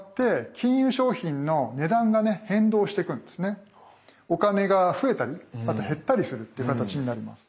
そしてお金が増えたりあと減ったりするっていう形になります。